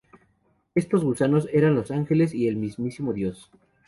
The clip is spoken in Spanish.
Estos gusanos, eran los ángeles y el mismísimo Dios.